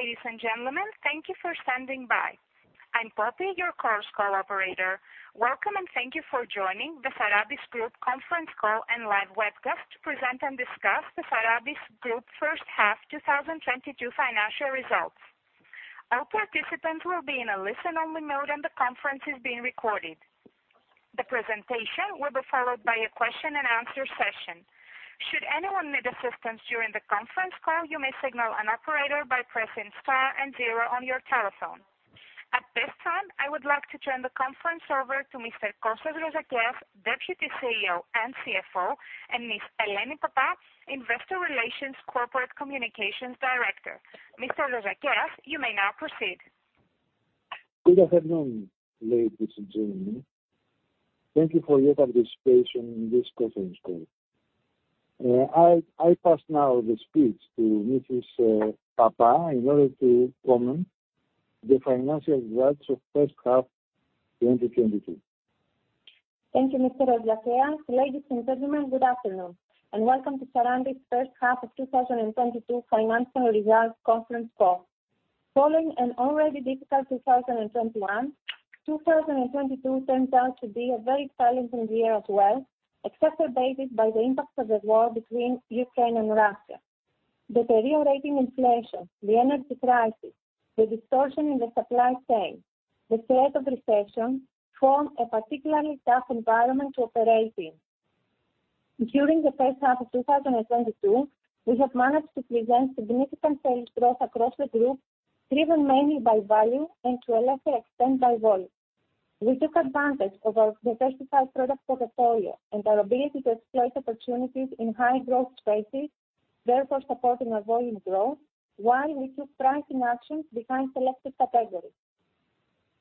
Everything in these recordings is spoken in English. Ladies and gentlemen, thank you for standing by. I'm Poppy, your Chorus Call operator. Welcome, and thank you for joining the Sarantis Group conference call and live webcast to present and discuss the Sarantis Group first half 2022 financial results. All participants will be in a listen-only mode, and the conference is being recorded. The presentation will be followed by a question-and-answer session. Should anyone need assistance during the conference call, you may signal an operator by pressing star and zero on your telephone. At this time, I would like to turn the conference over to Mr. Konstantinos Rozakeas, Deputy CEO and CFO, and Ms. Eleni Pappa, Investor Relations, Corporate Communications Director. Mr. Rozakeas, you may now proceed. Good afternoon, ladies and gentlemen. Thank you for your participation in this conference call. I pass now the speech to Mrs. Pappa in order to comment the financial results of first half 2022. Thank you, Mr. Rozakeas. Ladies and gentlemen, good afternoon, and welcome to Sarantis first half of 2022 financial results conference call. Following an already difficult 2021, 2022 turns out to be a very challenging year as well, exacerbated by the impact of the war between Ukraine and Russia. The deteriorating inflation, the energy crisis, the disruption in the supply chain, the threat of recession form a particularly tough environment to operate in. During the first half of 2022, we have managed to present significant sales growth across the group, driven mainly by value and to a lesser extent by volume. We took advantage of our diversified product portfolio and our ability to exploit opportunities in high growth spaces, therefore supporting our volume growth, while we took pricing actions in selected categories.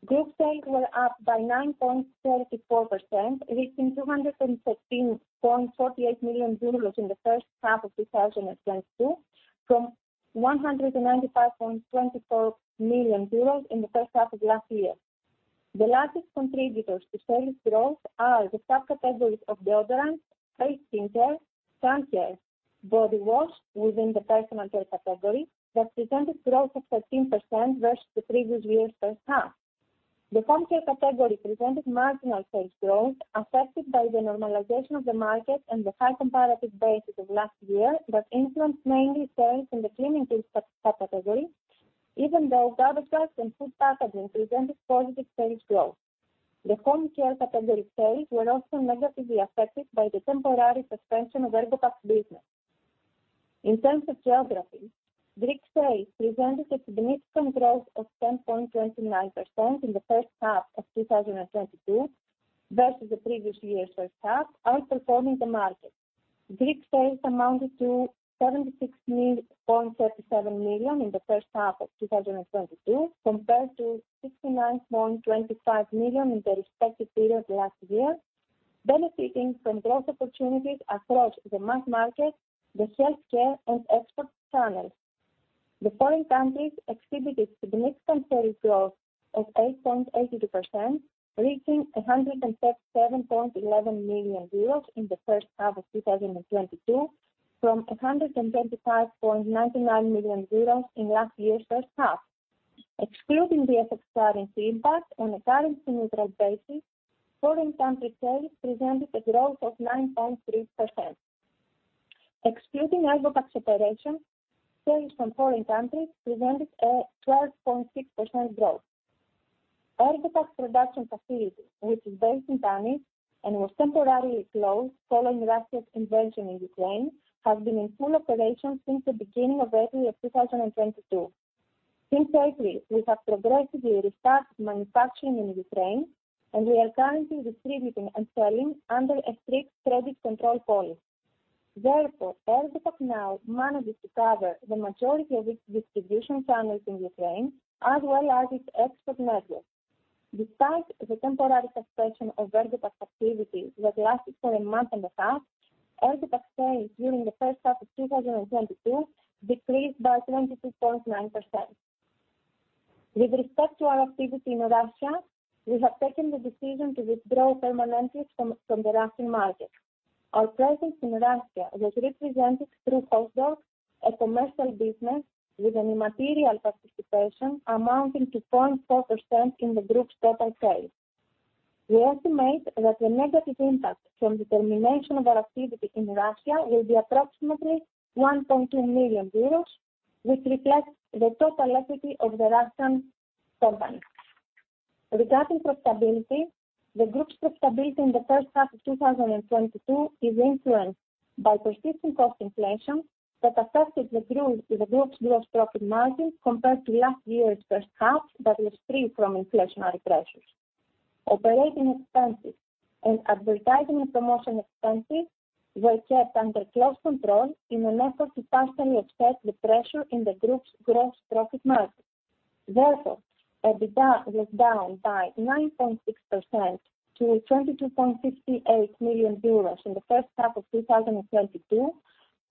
Group sales were up by 9.34%, reaching 213.48 million euros in the first half of 2022, from 195.24 million euros in the first half of last year. The largest contributors to sales growth are the subcategories of deodorants, face skincare, sun care, body wash within the personal care category that presented growth of 13% versus the previous year's first half. The home care category presented marginal sales growth affected by the normalization of the market and the high comparative basis of last year that influenced mainly sales in the cleaning tools sub-category, even though garbage bags and food packaging presented positive sales growth. The home care category sales were also negatively affected by the temporary suspension of Ergopack business. In terms of geography, Greek sales presented a significant growth of 10.29% in the first half of 2022 versus the previous year's first half, outperforming the market. Greek sales amounted to 76.37 million in the first half of 2022 compared to 69.25 million in the respective period last year, benefiting from growth opportunities across the mass market, the healthcare and export channels. The foreign countries exhibited significant sales growth of 8.82%, reaching 107.11 million euros in the first half of 2022 from 125.99 million euros in last year's first half. Excluding the FX currency impact on a currency neutral basis, foreign country sales presented a growth of 9.3%. Excluding Ergopack operations, sales from foreign countries presented a 12.6% growth. Ergopack production facility, which is based in Kaniv and was temporarily closed following Russia's invasion in Ukraine, has been in full operation since the beginning of April of 2022. Since April, we have progressively restarted manufacturing in Ukraine, and we are currently distributing and selling under a strict credit control policy. Therefore, Ergopack now manages to cover the majority of its distribution channels in Ukraine as well as its export network. Despite the temporary suspension of Ergopack activities that lasted for a month and a half, Ergopack sales during the first half of 2022 decreased by 22.9%. With respect to our activity in Russia, we have taken the decision to withdraw permanently from the Russian market. Our presence in Russia was represented through Hoztorg, a commercial business with an immaterial participation amounting to 0.4% in the group's total sales. We estimate that the negative impact from the termination of our activity in Russia will be approximately 1.2 million euros, which reflects the total equity of the Russian company. Regarding profitability, the group's profitability in the first half of 2022 is influenced by persistent cost inflation that affected the group, the group's gross profit margin compared to last year's first half that was free from inflationary pressures. Operating expenses and advertising and promotion expenses were kept under close control in an effort to partially offset the pressure in the group's gross profit margin. Therefore, EBITDA was down by 9.6% to 22.58 million euros in the first half of 2022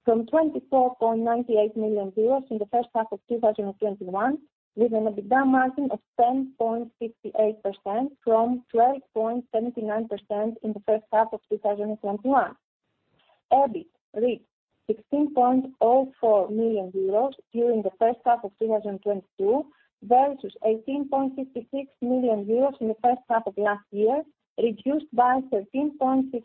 from 24.98 million euros in the first half of 2021, with an EBITDA margin of 10.68% from 12.79% in the first half of 2021. EBIT reached 16.04 million euros during the first half of 2022 versus 18.56 million euros in the first half of last year, reduced by 13.57%,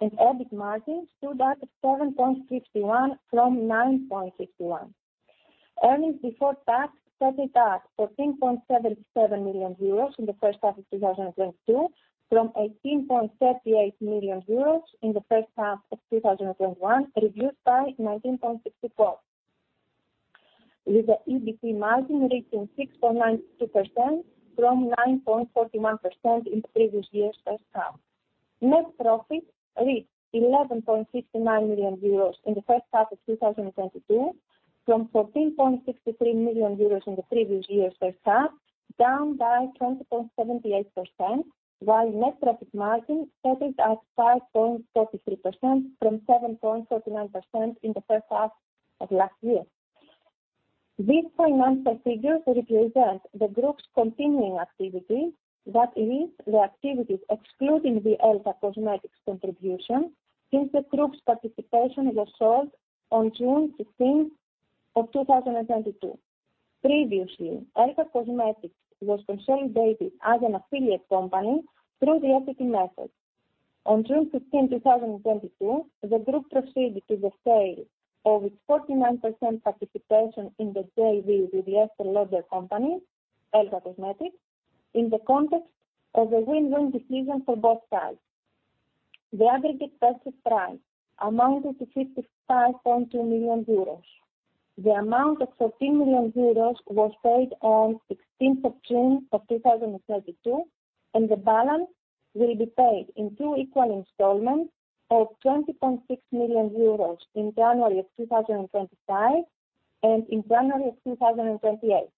and EBIT margin stood at 7.51% from 9.51%. Earnings before tax started at 14.77 million euros in the first half of 2022 from 18.38 million euros in the first half of 2021, reduced by 19.64%, with the EBIT margin reaching 6.92% from 9.41% in the previous year's first half. Net profit reached 11.59 million euros in the first half of 2022 from 14.63 million euros in the previous year's first half, down by 20.78% while net profit margin started at 5.43% from 7.49% in the first half of last year. These financial figures represent the group's continuing activity. That is, the activities excluding the ELCA Cosmetics contribution since the group's participation was sold on June 16, 2022. Previously, ELCA Cosmetics was consolidated as an affiliate company through the equity method. On June 15, 2022, the group proceeded to the sale of its 49% participation in the JV with the Estée Lauder company, ELCA Cosmetics, in the context of a win-win decision for both sides. The aggregate purchase price amounted to 55.2 million euros. The amount of 14 million euros was paid on 16th of June, 2022, and the balance will be paid in two equal installments of 20.6 million euros in January 2025 and in January 2028.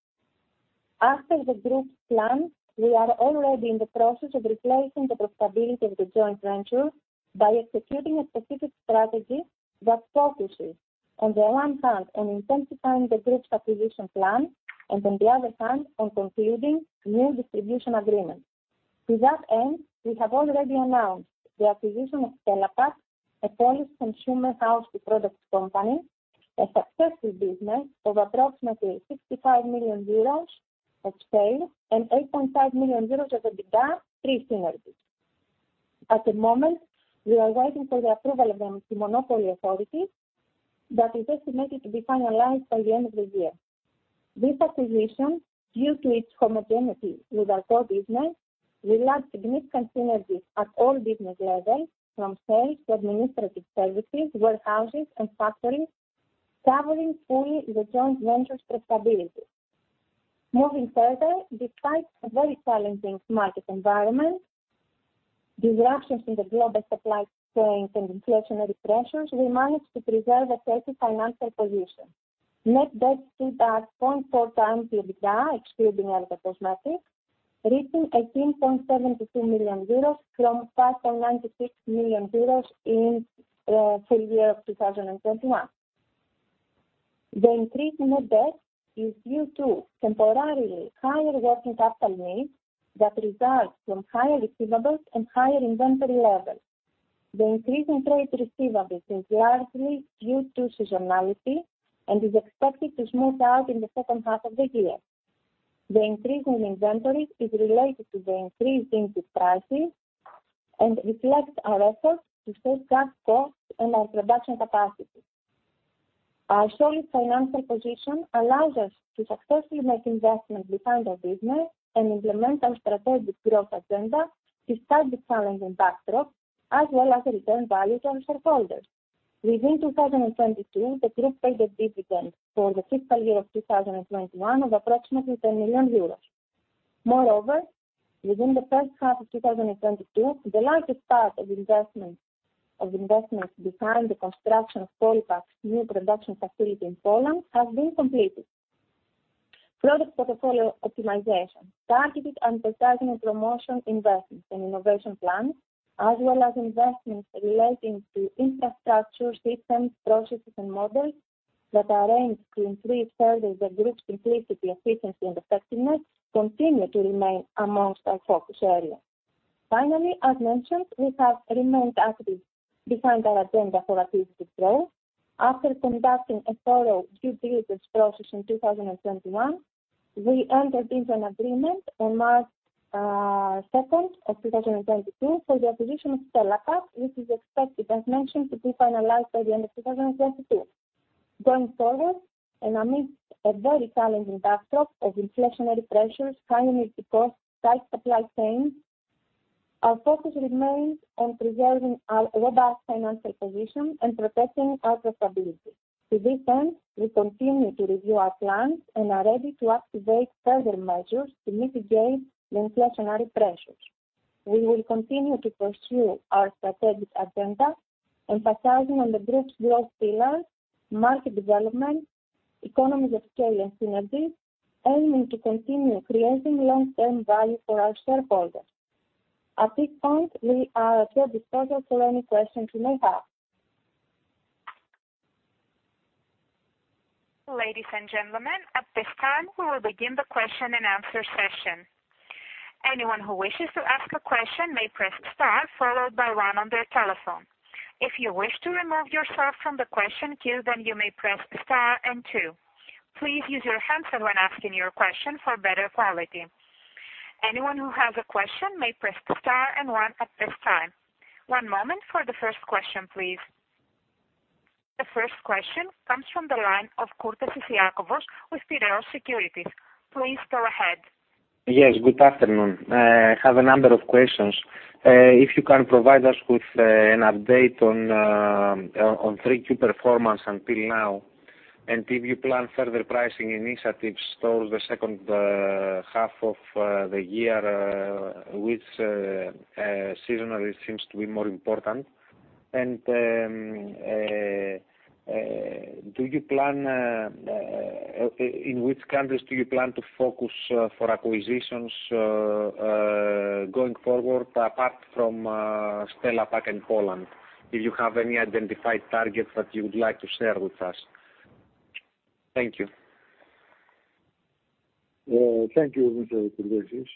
After the group's plan, we are already in the process of replacing the profitability of the joint venture by executing a specific strategy that focuses, on the one hand, on intensifying the group's acquisition plan, and on the other hand, on concluding new distribution agreements. To that end, we have already announced the acquisition of Stella Pack, a Polish consumer household products company, a successful business of approximately 65 million euros of sales and 8.5 million euros of EBITDA pre-synergy. At the moment, we are waiting for the approval of the Monopoly Authority that is estimated to be finalized by the end of the year. This acquisition, due to its homogeneity with our core business, will add significant synergies at all business levels from sales to administrative services, warehouses, and factories, covering fully the joint venture profitability. Moving further, despite a very challenging market environment, disruptions in the global supply chain and inflationary pressures, we managed to preserve a steady financial position. Net debt stood at 0.4x the EBITDA, excluding ELCA Cosmetics, reaching 18.72 million euros from 5.96 million euros in full year of 2021. The increase in net debt is due to temporarily higher working capital needs that result from higher receivables and higher inventory levels. The increase in trade receivables is largely due to seasonality and is expected to smooth out in the second half of the year. The increase in inventory is related to the increase in input prices and reflects our efforts to save cash costs and our production capacity. Our solid financial position allows us to successfully make investments in our business and implement our strategic growth agenda despite the challenging backdrop as well as return value to our shareholders. Within 2022, the group paid a dividend for the fiscal year of 2021 of approximately 10 million euros. Moreover, within the first half of 2022, the largest part of investments in the construction of Polipak's new production facility in Poland has been completed. Product portfolio optimization, targeted advertising and promotion investments and innovation plans, as well as investments relating to infrastructure, systems, processes, and models that are aimed to increase further the group's simplicity, efficiency, and effectiveness continue to remain amongst our focus area. Finally, as mentioned, we have remained active in our agenda for accretive growth. After conducting a thorough due diligence process in 2021, we entered into an agreement on March 2nd, 2022 for the acquisition of Stella Pack, which is expected, as mentioned, to be finalized by the end of 2022. Going forward, amidst a very challenging backdrop of inflationary pressures, high energy costs, tight supply chains, our focus remains on preserving our robust financial position and protecting our profitability. To this end, we continue to review our plans and are ready to activate further measures to mitigate the inflationary pressures. We will continue to pursue our strategic agenda, emphasizing on the group's growth pillars, market development, economies of scale and synergies, aiming to continue creating long-term value for our shareholders. At this point, we are at your disposal for any questions you may have. Ladies and gentlemen, at this time we will begin the question-and-answer session. Anyone who wishes to ask a question may press star followed by one on their telephone. If you wish to remove yourself from the question queue, then you may press star and two. Please use your handset when asking your question for better quality. Anyone who has a question may press star and one at this time. One moment for the first question, please. The first question comes from the line of Iakovos Kourtesis with Piraeus Securities. Please go ahead. Yes, good afternoon. I have a number of questions. If you can provide us with an update on three key performance until now, and if you plan further pricing initiatives towards the second half of the year, which seasonally seems to be more important. In which countries do you plan to focus for acquisitions going forward apart from Stella Pack in Poland? Do you have any identified targets that you would like to share with us? Thank you. Thank you, Mr. Kourtesis.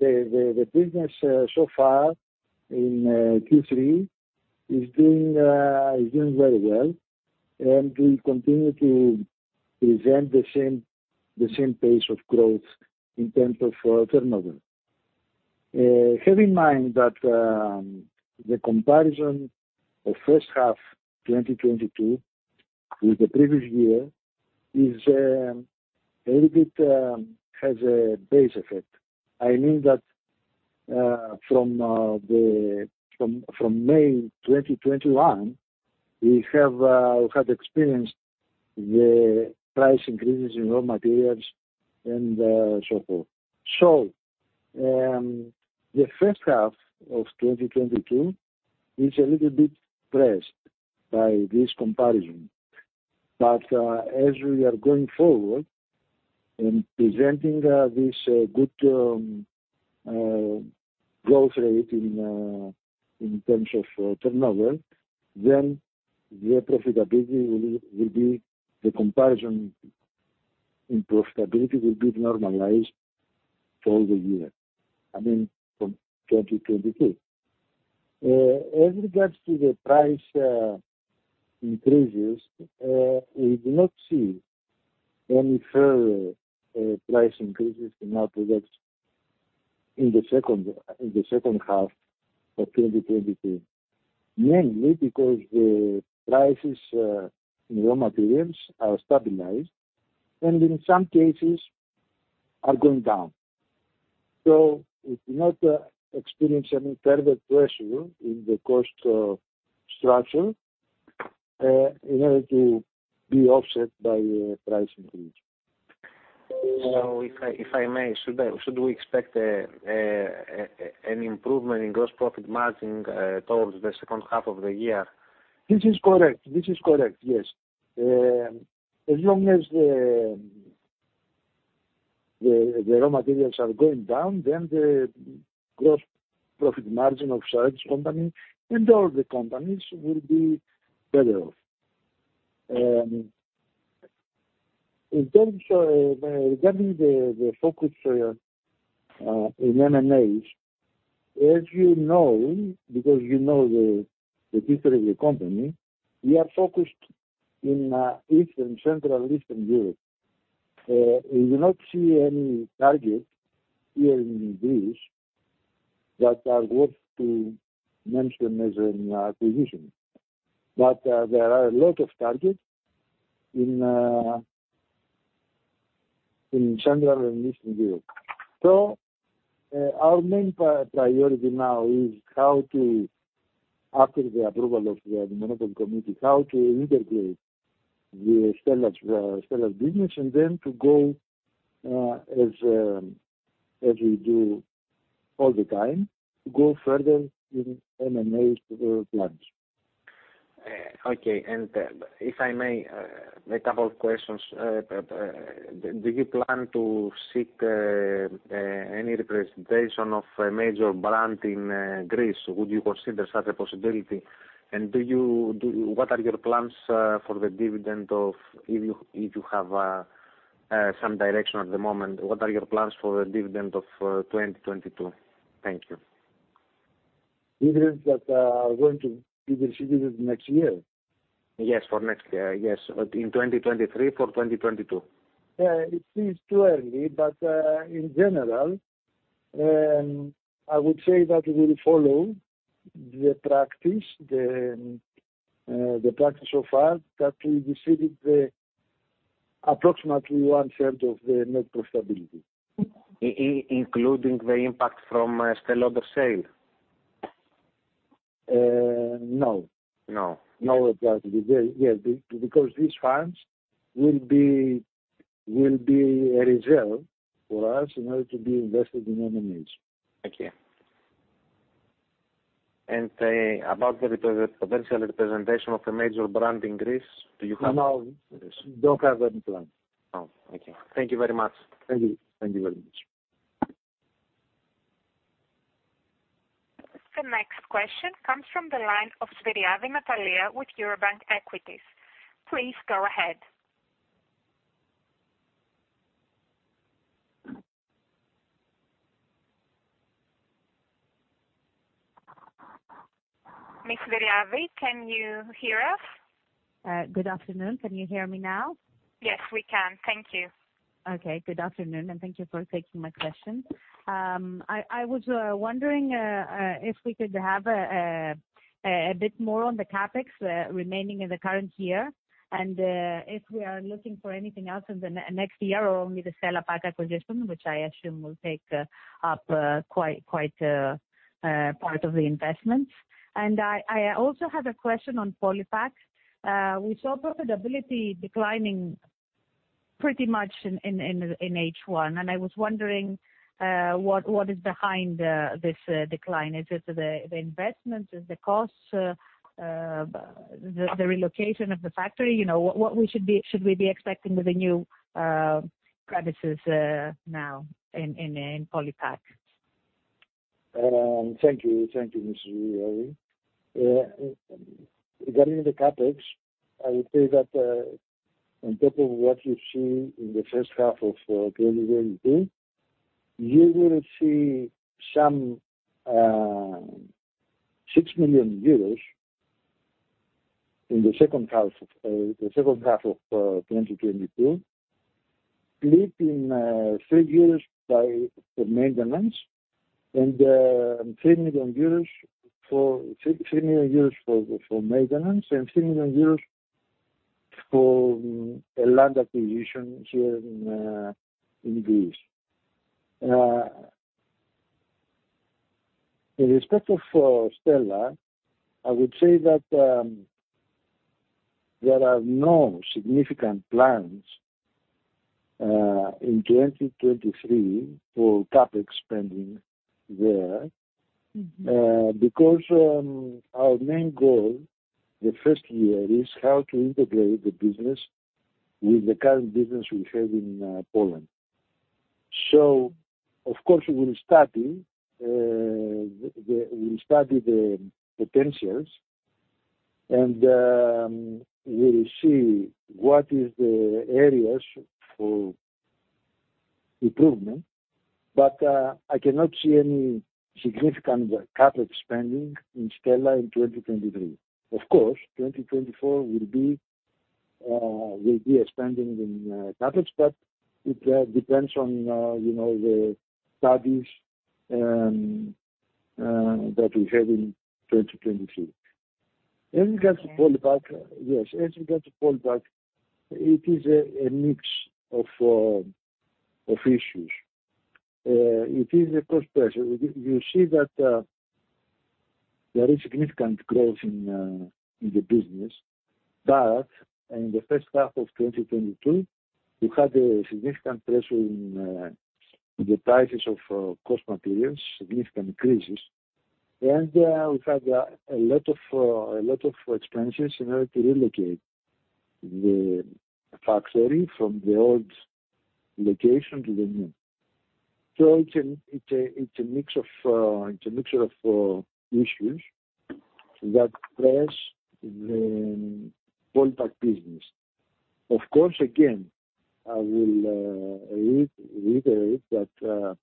The business so far in Q3 is doing very well, and we continue to present the same pace of growth in terms of turnover. Keep in mind that the comparison of first half 2022 with the previous year is a little bit has a base effect. I mean that from May 2021, we have had experienced the price increases in raw materials and so forth. The first half of 2022 is a little bit pressed by this comparison. As we are going forward in presenting this good growth rate in terms of turnover, then the profitability will be the comparison in profitability will be normalized for the year, I mean, from 2023. As regards to the price increases, we do not see any further price increases in our products in the second half of 2023. Mainly because the prices in raw materials are stabilized, and in some cases are going down. We do not experience any further pressure in the cost structure in order to be offset by price increase. If I may, should we expect an improvement in gross profit margin towards the second half of the year? This is correct, yes. As long as the raw materials are going down, then the gross profit margin of each company and all the companies will be better off. In terms of regarding the focus in M&As, as you know, because you know the history of the company, we are focused in Central and Eastern Europe. We do not see any target here in Greece that are worth to mention as an acquisition. There are a lot of targets in Central and Eastern Europe. Our main priority now is how to, after the approval of the monopoly committee, how to integrate the Stella Pack's business and then to go, as we do all the time, go further in M&A plans. Okay. If I may, a couple of questions. Do you plan to seek any representation of a major brand in Greece? Would you consider such a possibility? What are your plans for the dividend, if you have some direction at the moment, of 2022? Thank you. Dividends that are going to be distributed next year? Yes, for next year. Yes. In 2023 for 2022. Yeah, it seems too early. In general, I would say that we will follow the practice so far that we distributed approximately one third of the net profitability. Including the impact from Stella sale? No. No. No, because these funds will be a reserve for us in order to be invested in M&As. Okay. About the potential representation of a major brand in Greece, do you have? No. Yes. Don't have any plan. Oh, okay. Thank you very much. Thank you. Thank you very much. The next question comes from the line of Natalia Svyriadi with Eurobank Equities. Please go ahead. Ms. Svyriadi, can you hear us? Good afternoon. Can you hear me now? Yes, we can. Thank you. Okay. Good afternoon, and thank you for taking my question. I was wondering if we could have a bit more on the CapEx remaining in the current year, and if we are looking for anything else in the next year or only the Stella Pack acquisition, which I assume will take up quite part of the investment. I also have a question on Polipak. We saw profitability declining pretty much in H1, and I was wondering what is behind this decline. Is it the investment? Is it the cost of the relocation of the factory? You know, what should we be expecting with the new premises now in Polipak? Thank you. Thank you, Ms. Svyriadi. Regarding the CapEx, I would say that on top of what you see in the first half of 2022, you will see some 6 million euros in the second half of 2022, split into 3 million euros for maintenance and 3 million euros for a land acquisition here in Greece. In respect of Stella, I would say that there are no significant plans in 2023 for CapEx spending there. Mm-hmm. Because our main goal the first year is how to integrate the business with the current business we have in Poland. Of course, we will study the potentials, and we will see what is the areas for improvement. I cannot see any significant CapEx spending in Stella in 2023. Of course, 2024 will be a spending in CapEx, but it depends on you know, the studies that we have in 2022. Okay. As regards to Polipak, yes. As regards to Polipak, it is a mix of issues. It is a cost pressure. You see that there is significant growth in the business, but in the first half of 2022, we had a significant pressure in the prices of cost materials, significant increases. We had a lot of expenses in order to relocate the factory from the old location to the new. It's a mix of issues that press the Polipak business. Of course, again, I will reiterate that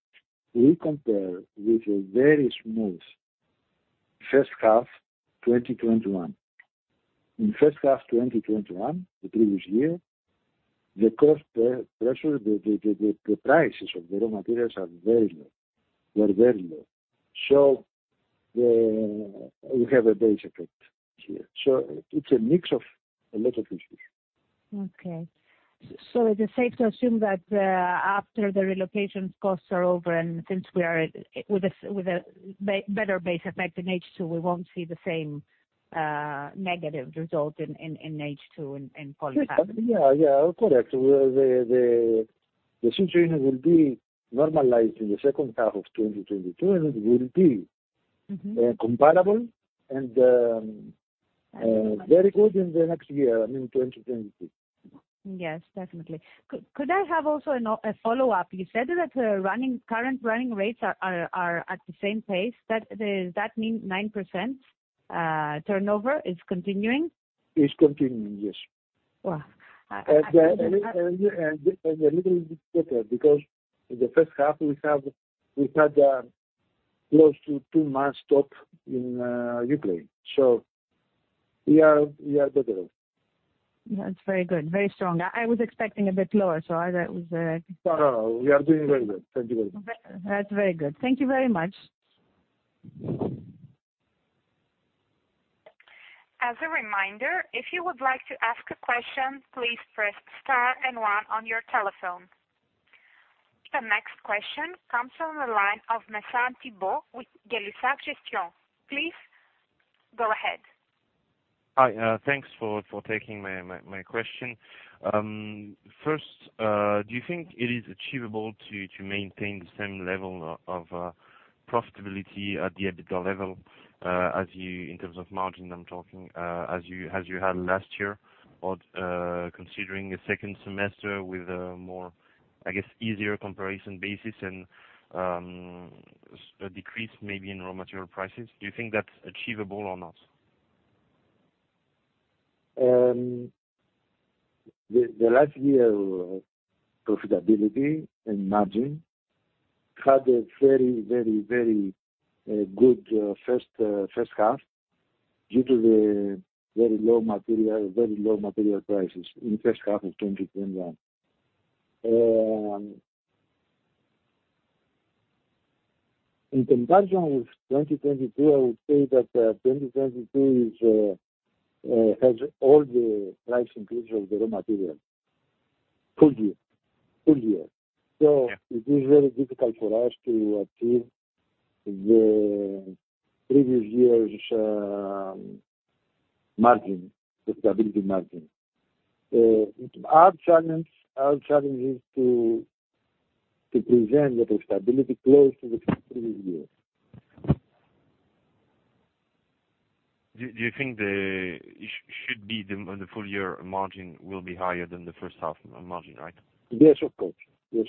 we compare with a very smooth first half 2021. In first half 2021, the previous year, the cost pressure. The prices of the raw materials are very low. They are very low. We have a base effect here. It's a mix of a lot of issues. Okay. Is it safe to assume that, after the relocation costs are over and since we start with a better base effect in H2, we won't see the same negative result in H2 in Polipak? Yes. I mean, yeah. Correct. The situation will be normalized in the second half of 2022, and it will be. Mm-hmm. Comparable and very good in the next year, I mean, 2023. Yes, definitely. Could I have also a follow-up? You said that running, current running rates are at the same pace. That does that mean 9% turnover is continuing? Is continuing, yes. Wow. I didn't expect that. A little bit better because in the first half we had close to two months stop in Ukraine. We are better off. That's very good, very strong. I was expecting a bit lower, so I was. No, no. We are doing very good. Thank you very much. That's very good. Thank you very much. As a reminder, if you would like to ask a question, please press star and one on your telephone. The next question comes from the line of [inaudible] with. [inaudible] Please go ahead. Hi. Thanks for taking my question. First, do you think it is achievable to maintain the same level of profitability at the EBITDA level in terms of margin, I'm talking, as you had last year? Considering the second semester with a more, I guess, easier comparison basis and a decrease maybe in raw material prices, do you think that's achievable or not? The last year's profitability and margin had a very good first half due to the very low material prices in first half of 2021. In comparison with 2022, I would say that 2022 has all the price increase of the raw material full year. It is very difficult for us to achieve the previous year's profitability margin. Our challenge is to present the profitability close to the previous year. Do you think the full year margin will be higher than the first half margin, right? Yes, of course. If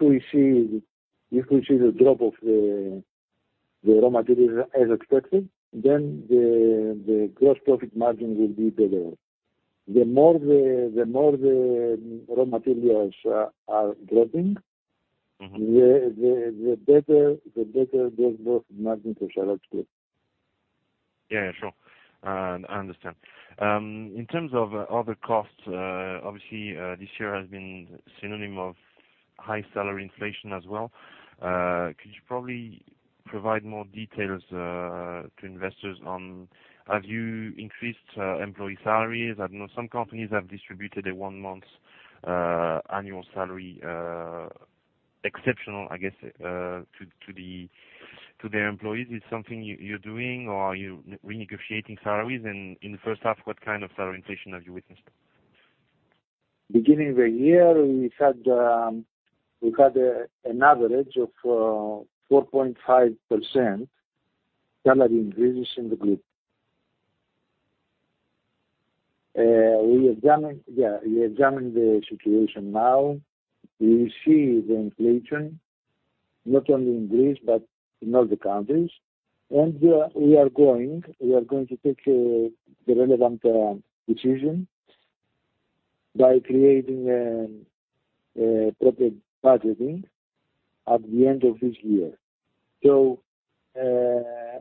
we see the drop of the raw materials as expected, then the gross profit margin will be better. The more the raw materials are dropping. Mm-hmm. The better gross profit margin for Sarantis Group. Yeah, sure. I understand. In terms of other costs, obviously, this year has been synonymous with high salary inflation as well. Could you probably provide more details to investors on how have you increased employee salaries? I know some companies have distributed a one-month annual salary exceptional, I guess, to their employees. Is it something you're doing, or are you renegotiating salaries? In the first half, what kind of salary inflation have you witnessed? Beginning of the year, we had an average of 4.5% salary increases in the group. We examine the situation now. We see the inflation, not only in Greece but in all the countries. We are going to take the relevant decision by creating proper budgeting at the end of this year.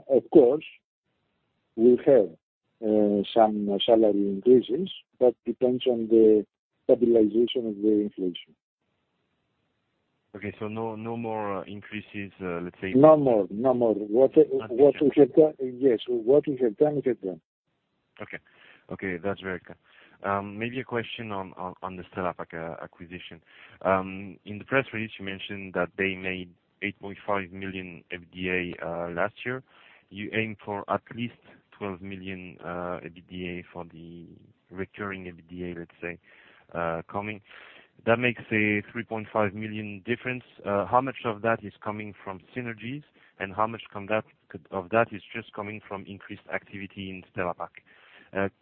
Of course, we'll have some salary increases, but depends on the stabilization of the inflation. Okay. No more increases, let's say. No more. What we have done. Understood. Yes. What we have done, we have done. Okay. Okay, that's very clear. Maybe a question on the Stella Pack acquisition. In the press release, you mentioned that they made 8.5 million EBITDA last year. You aim for at least 12 million EBITDA for the recurring EBITDA, let's say, coming. That makes a 3.5 million difference. How much of that is coming from synergies, and how much of that is just coming from increased activity in Stella Pack?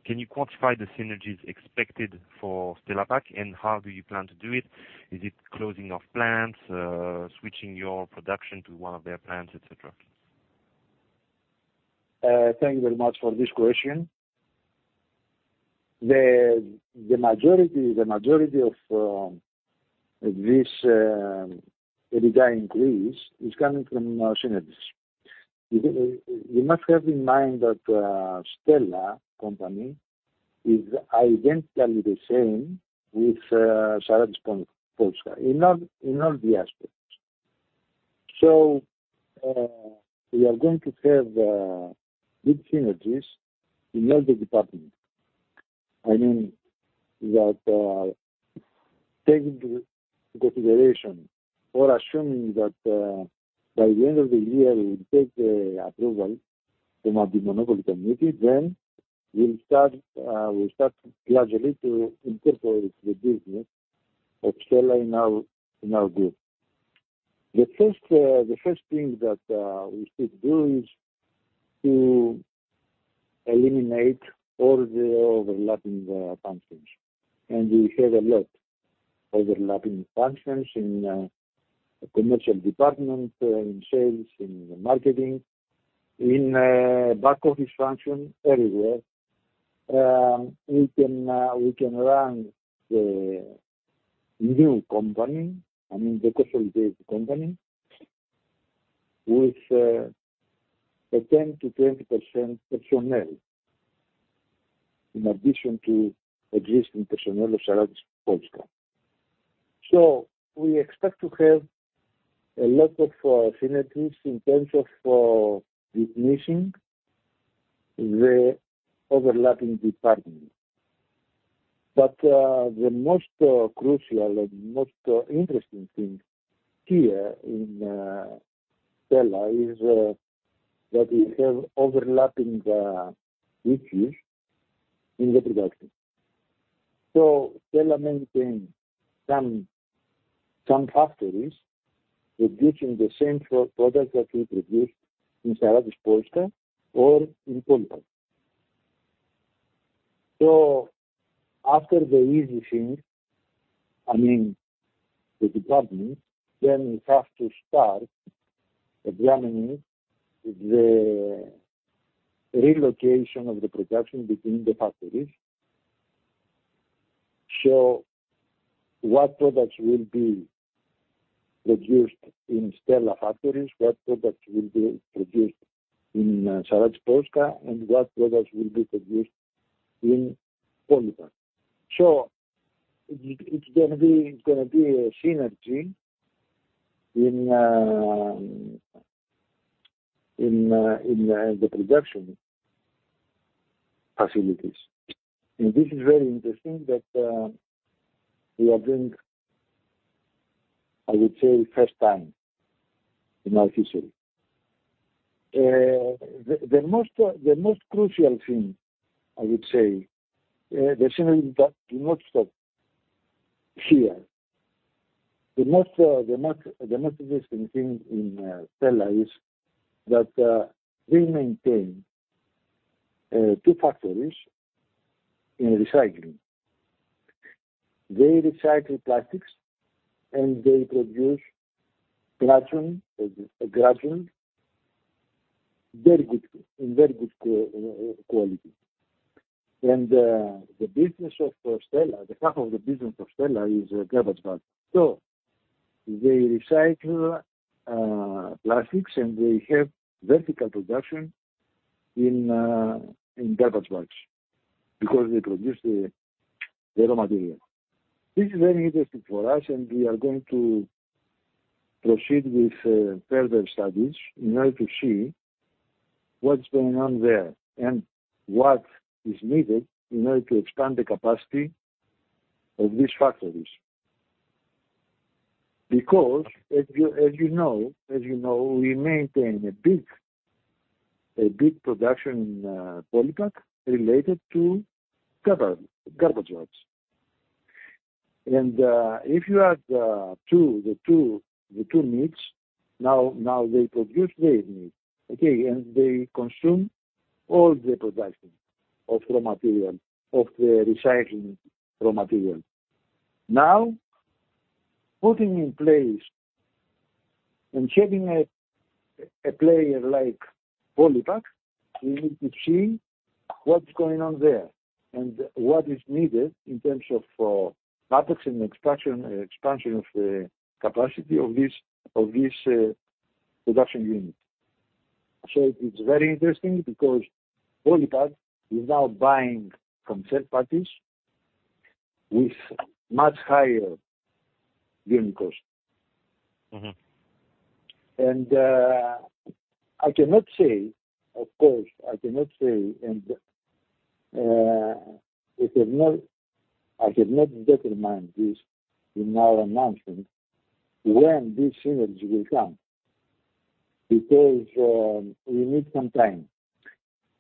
Can you quantify the synergies expected for Stella Pack, and how do you plan to do it? Is it closing of plants, switching your production to one of their plants, et cetera? Thank you very much for this question. The majority of this EBITDA increase is coming from synergies. You must have in mind that Stella Pack is identically the same with Sarantis Polska in all the aspects. We are going to have good synergies in all the departments. I mean that taking into consideration or assuming that by the end of the year we will take the approval from the monopoly committee, then we'll start gradually to incorporate the business of Stella Pack in our group. The first thing that we should do is to eliminate all the overlapping functions. We have a lot overlapping functions in commercial department, in sales, in marketing, in back office function, everywhere. We can run the new company, I mean the consolidated company with a 10%-20% personnel in addition to existing personnel of Sarantis Polska. We expect to have a lot of synergies in terms of diminishing the overlapping department. The most crucial and most interesting thing here in Stella Pack is that we have overlapping issues in the production. Stella Pack maintain some factories producing the same product that we produce in Sarantis Polska or in Poland. After the easy thing, I mean, with the government, we have to start examining the relocation of the production between the factories. What products will be produced in Stella Pack factories, what products will be produced in Sarantis Polska, and what products will be produced in Polipak. It's going to be a synergy in the production facilities. This is very interesting that we are doing, I would say, first time in our history. The most crucial thing I would say, the synergy does not stop here. The most interesting thing in Stella Pack is that we maintain two factories in recycling. They recycle plastics, and they produce plastic granules in very good quality. The business of Stella Pack, the half of the business of Stella Pack is garbage bags. They recycle plastics, and they have vertical production in garbage bags because they produce the raw material. This is very interesting for us, and we are going to proceed with further studies in order to see what's going on there and what is needed in order to expand the capacity of these factories. Because as you know, we maintain a big production, Polipak related to garbage bags. If you add the two needs, now they produce their need, okay? They consume all the production of raw material, of the recycling raw material. Now, putting in place and having a player like Polipak, we need to see what's going on there and what is needed in terms of CapEx and expansion of the capacity of this production unit. It's very interesting because Polipak is now buying from third parties with much higher unit cost. Mm-hmm. I cannot say, of course, I cannot say, and I have not determined this in our announcement when this synergy will come because we need some time.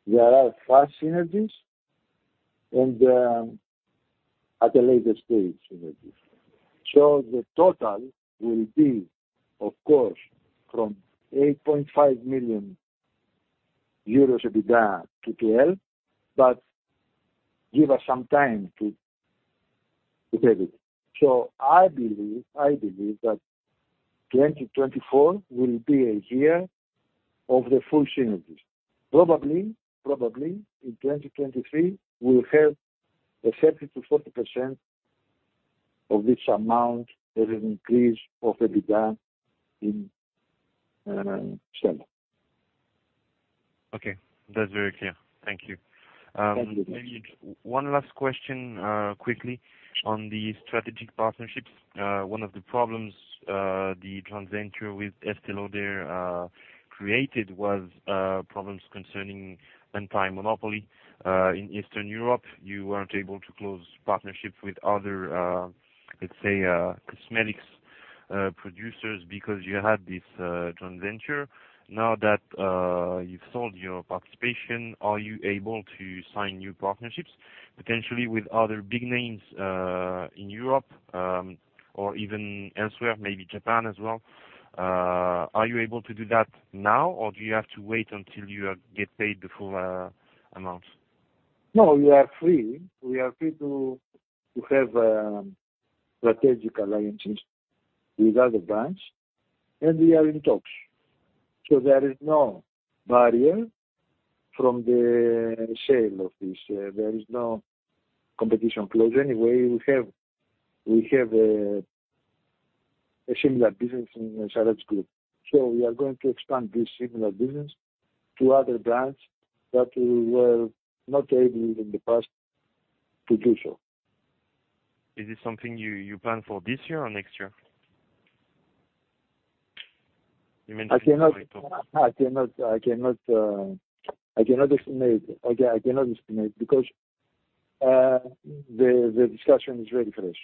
There are fast synergies and at a later stage synergies. The total will be, of course, from 8.5 million euros EBITDA to EPL, but give us some time to have it. I believe that 2024 will be a year of the full synergies. Probably in 2023 we'll have 30%-40% of this amount that will increase in EBITDA in Stella. Okay. That's very clear. Thank you. Thank you. Maybe one last question, quickly on the strategic partnerships. One of the problems the joint venture with Estée Lauder created was problems concerning anti-monopoly. In Eastern Europe, you weren't able to close partnerships with other, let's say, cosmetics producers because you had this joint venture. Now that you've sold your participation, are you able to sign new partnerships, potentially with other big names, in Europe, or even elsewhere, maybe Japan as well? Are you able to do that now, or do you have to wait until you get paid the full amount? No, we are free. We are free to have strategic alliances with other brands, and we are in talks. There is no barrier from the sale of this. There is no competition clause anyway. We have a similar business in Sarantis Group. We are going to expand this similar business to other brands that we were not able in the past to do so. Is this something you plan for this year or next year? You mentioned. I cannot estimate because the discussion is very fresh.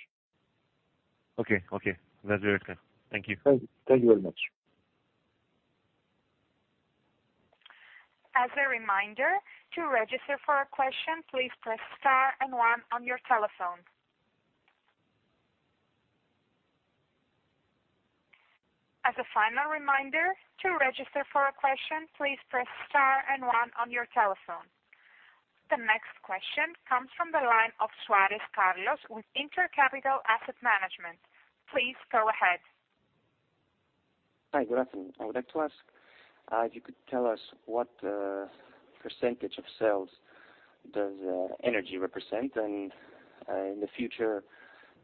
Okay. Okay. That's very clear. Thank you. Thank you. Thank you very much. As a reminder, to register for a question, please press star and one on your telephone. As a final reminder, to register for a question, please press star and one on your telephone. The next question comes from the line of Carlos Suárez with InterCapital Asset Management. Please go ahead. Hi, good afternoon. I would like to ask if you could tell us what percentage of sales does energy represent? In the future,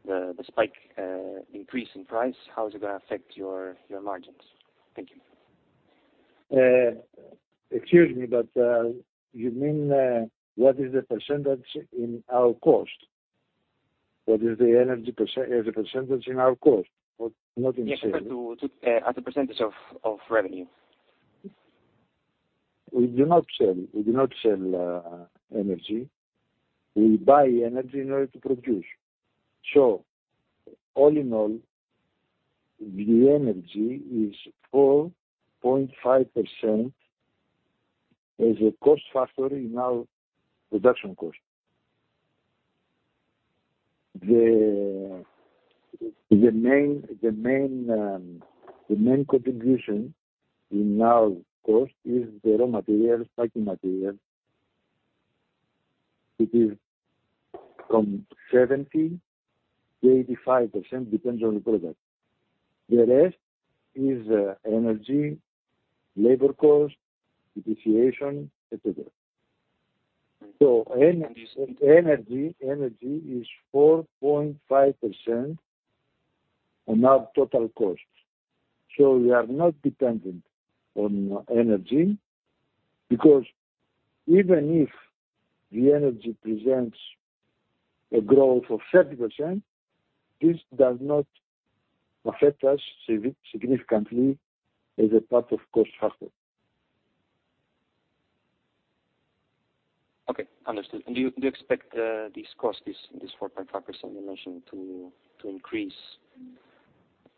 the spike increase in price, how is it going to affect your margins? Thank you. Excuse me, you mean what is the percentage in our cost? What is the energy as a percentage in our cost, not in sales? Yes, refer to as a percentage of revenue. We do not sell energy. We buy energy in order to produce. All in all, the energy is 4.5% as a cost factor in our production cost. The main contribution in our cost is the raw materials, packing materials. It is from 70% to 85%, depends on the product. The rest is energy, labor cost, depreciation, et cetera. Energy is 4.5% on our total costs. We are not dependent on energy because even if the energy presents a growth of 30%, this does not affect us significantly as a part of cost factor. Okay, understood. Do you expect this 4.5% you mentioned to increase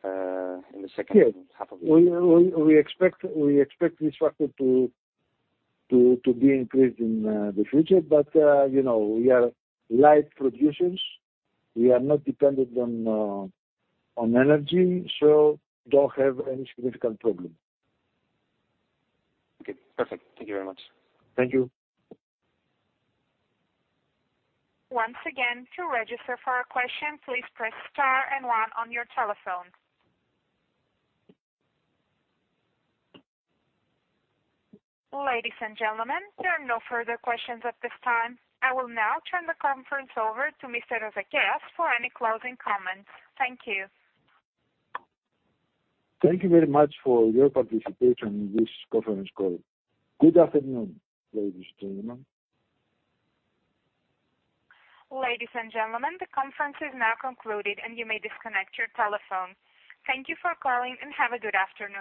in the second half of the year? We expect this factor to be increased in the future. You know, we are light producers. We are not dependent on energy, so don't have any significant problem. Okay, perfect. Thank you very much. Thank you. Once again, to register for a question, please press star and one on your telephone. Ladies and gentlemen, there are no further questions at this time. I will now turn the conference over to Mr. Rozakeas for any closing comments. Thank you. Thank you very much for your participation in this conference call. Good afternoon, ladies and gentlemen. Ladies and gentlemen, the conference is now concluded, and you may disconnect your telephone. Thank you for calling, and have a good afternoon.